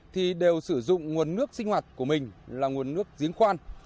thì đều sử dụng nguồn nước sinh hoạt của mình là nguồn nước giếng khoan